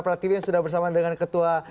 pratiwi yang sudah bersama dengan ketua